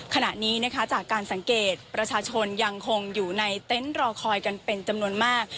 ขณะนี้นะคะจากการสังเกตประชาชนยังคงอยู่ในเต็นต์รอคอยกันเป็นจำนวนมาก